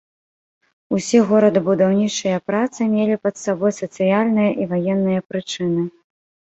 Усе горадабудаўнічыя працы мелі пад сабой сацыяльныя і ваенныя прычыны.